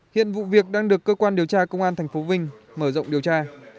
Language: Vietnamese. hiện vụ việc đang được cơ quan điều tra công an thành phố vinh mở rộng điều tra